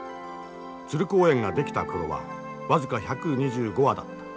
鶴公園が出来た頃は僅か１２５羽だった。